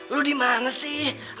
lo dimana sih